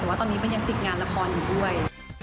แต่ว่าตอนนี้มันยังติดงานละครอยู่ด้วย